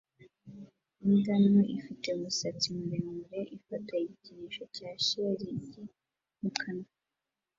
Imbwa nto ifite umusatsi muremure ifata igikinisho cya shelegi mu kanwa